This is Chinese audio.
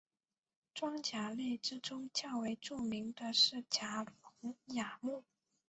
装甲类之中较为著名的是甲龙亚目。